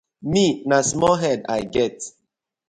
Mi na small head I get.